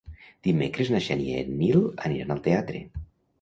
Dimecres na Xènia i en Nil aniran al teatre.